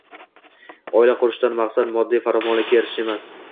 Oila qurishdan maqsad moddiy farovonlikka erishish emas.